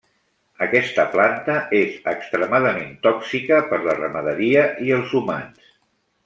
Aquesta planta és extremadament tòxica per la ramaderia i els humans.